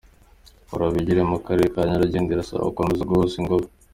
Kora wigire yo mu karere ka Nyarugenge irasabwa gukomeza guhuza ingufu